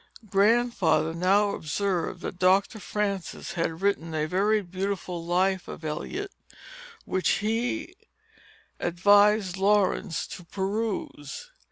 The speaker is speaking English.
Grandfather now observed, that Dr. Francis had written a very beautiful Life of Eliot, which he advised Laurence to peruse.